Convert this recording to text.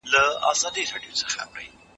تدریسي نصاب په پټه نه بدلیږي.